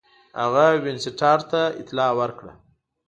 هغه وینسیټارټ ته اطلاع ورکړه.